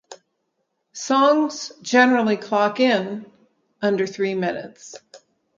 Songs generally clock in under three minutes.